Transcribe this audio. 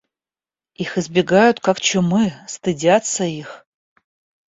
Их избегают как чумы, стыдятся их.